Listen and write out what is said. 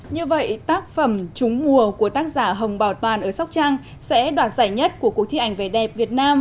như vậy tác phẩm trúng mùa của tác giả hồng bảo toàn ở sóc trăng sẽ đoạt giải nhất của cuộc thi ảnh vẻ đẹp việt nam